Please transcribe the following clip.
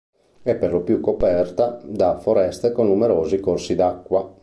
È per lo più coperta da foreste con numerosi corsi d'acqua.